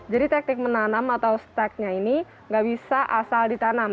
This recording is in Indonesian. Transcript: jadi teknik menanam atau steknya ini gak bisa asal ditanam